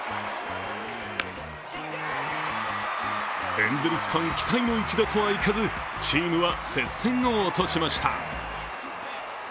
エンゼルスファン期待の一打とはいかず、チームは接戦を落としました。